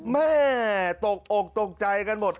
แม่ตกอกตกใจกันหมด